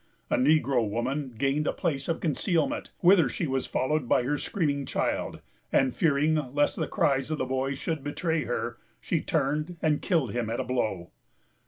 A negro woman gained a place of concealment, whither she was followed by her screaming child; and, fearing lest the cries of the boy should betray her, she turned and killed him at a blow.